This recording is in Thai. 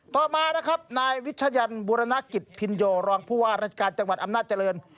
ต่อมานายวิชยัลบูรณากิตพินโยรองผู้วารัฐกาลจังหวัดอำนาจเจริญ